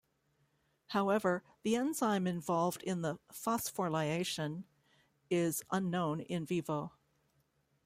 However, the enzyme involved in the phosphorlyation is unknown in vivo.